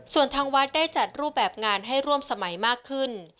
ส่วนทางวัดได้จัดรูปแบบงานให้ร่วมสมัยมากขึ้น